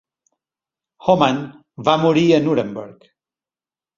Homann va morir a Nuremberg.